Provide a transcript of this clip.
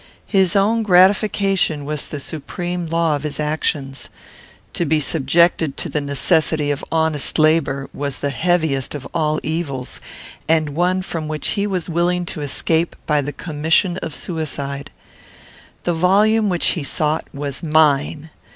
His own gratification was the supreme law of his actions. To be subjected to the necessity of honest labour was the heaviest of all evils, and one from which he was willing to escape by the commission of suicide. The volume which he sought was mine.